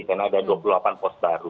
karena ada dua puluh delapan pos baru